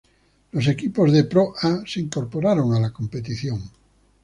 Los equipos de Pro A se incorporaron a la competición.